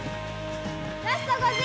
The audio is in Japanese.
ラスト５０！